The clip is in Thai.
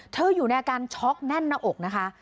อยู่ในอาการช็อกแน่นหน้าอกนะคะ